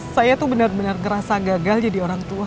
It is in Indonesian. saya tuh bener bener ngerasa gagal jadi orang tua